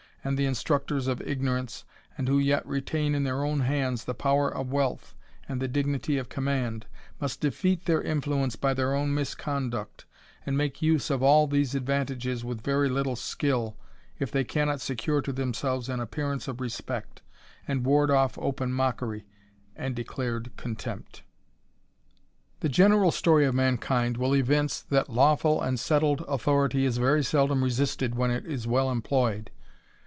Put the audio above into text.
and the instructors of ignorance, and who yet retain in ^^ir own hands the power of wealth, and the dignity of ^^^^mand, must defeat their influence by their own JiJi^^Qnduct, and make use of all these advantages with very '^^1« skill, if they cannot secure to themselves an appear ^'^^^e of respect, and ward off open mockery, and declared ^^^ tempt *^he general story of mankind will evince, that lawful and ^^^led authority is very seldom resisted when it is well ^*^^>^ployed.